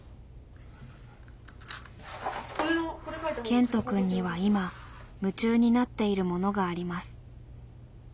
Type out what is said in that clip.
ケントくんには今夢中になっているものがあります。